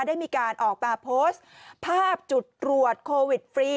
ได้มีการออกมาโพสต์ภาพจุดตรวจโควิดฟรี